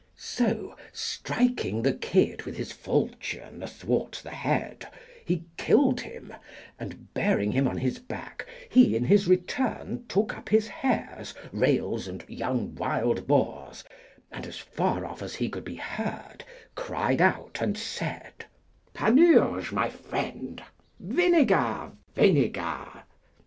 So, striking the kid with his falchion athwart the head, he killed him, and, bearing him on his back, he in his return took up his hares, rails, and young wild boars, and, as far off as he could be heard, cried out and said, Panurge, my friend, vinegar, vinegar!